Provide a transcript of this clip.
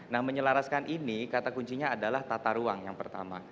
nah menyelaraskan ini kata kuncinya adalah tata ruang yang pertama